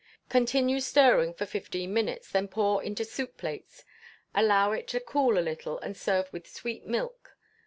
Continue stirring for fifteen minutes; then pour into soup plates, allow it to cool a little, and serve with sweet milk.